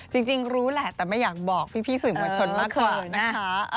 จริงรู้แหละแต่ไม่อยากบอกพี่สื่อมวลชนมากกว่านะคะ